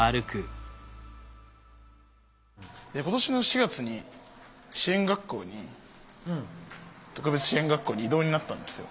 今年の４月に支援学校に特別支援学校に異動になったんですよ。